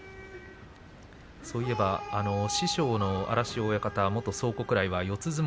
そういえば、師匠の荒汐親方元蒼国来は四つ